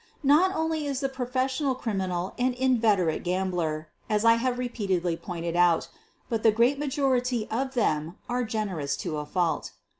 Not only is the professional criminal an inveterate gambler, as I have repeatedly pointed out, but the great majority of them are generous to a fault.